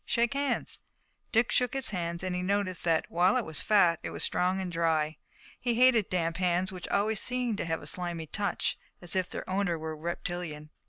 Shake hands." Dick shook his hand, and he noticed that, while it was fat, it was strong and dry. He hated damp hands, which always seemed to him to have a slimy touch, as if their owner were reptilian.